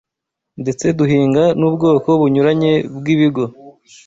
Ndetse duhinga n’ubwoko bunyuranye bw’ibigo